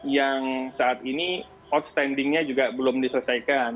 yang saat ini out standing nya juga belum diselesaikan